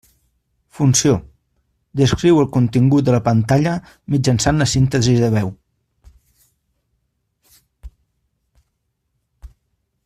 Funció: descriu el contingut de la pantalla mitjançant la síntesi de veu.